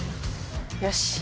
よし！